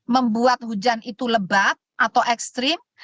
membuat hujan itu lebat atau ekstrim